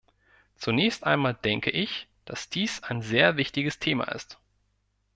Zunächst einmal denke ich, dass dies ein sehr wichtiges Thema ist.